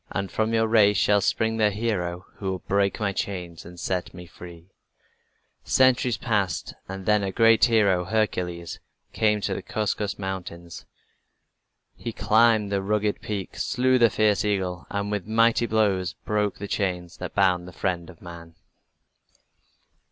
And from your race shall spring the hero who will break my chains and set me free." Centuries passed and then a great hero, Hercules, came to the Caucasus Mountains. He climbed the rugged peak, slew the fierce eagle, and with mighty blows broke the chains that bound the friend of man.